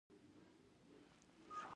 غوا مې په مږوي پورې و تړله